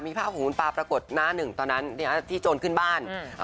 มีภาพของคุณปลาปรากฏหน้าหนึ่งตอนนั้นที่โจรขึ้นบ้าน